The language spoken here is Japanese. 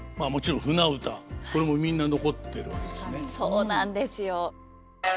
そうなんですよ。